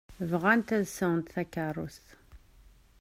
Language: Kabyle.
Bɣant ad sɛunt takeṛṛust.